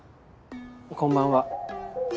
こんばんは。